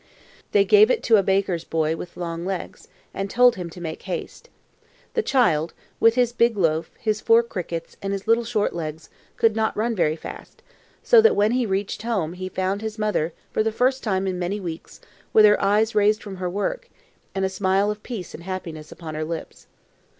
They gave it to a baker's boy with long legs, and told him to make haste. The child, with his big loaf, his four crickets, and his little short legs, could not run very fast, so that when he reached home, he found his mother, for the first time in many weeks, with her eyes raised from her work, and a smile of peace and happiness upon her lips.